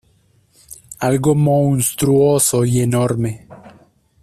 Algo monstruoso y enorme.